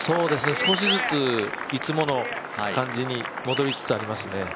少しずついつもの感じに戻りつつありますね。